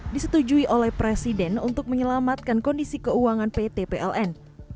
disetujui oleh presiden untuk menyelamatkan kondisi keuangan pt pln